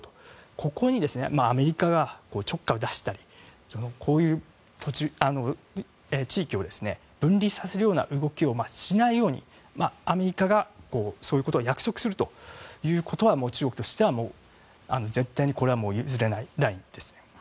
ここにアメリカがちょっかいを出したりこういう地域を分離させるような動きをしないようにアメリカがそういうことを約束するということはもう中国としては、絶対にこれは譲れないラインです。